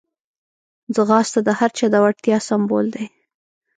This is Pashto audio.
ځغاسته د هر چا د وړتیا سمبول دی